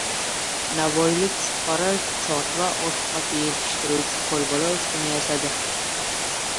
Navoiylik fuqaro chorva ozuqasi yetishtiruvchi qo‘lbola uskuna yasadi